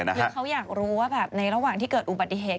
คือเขาอยากรู้ว่าแบบในระหว่างที่เกิดอุบัติเหตุ